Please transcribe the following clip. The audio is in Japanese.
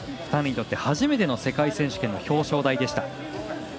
２人にとって初めての世界選手権の表彰台でした。